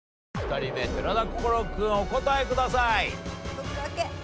２人目寺田心君お答えください。